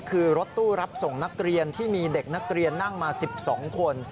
คือรถตู้รับส่งนักเรียนที่มีเด็กนักเรียนนั่งมา๑๒คน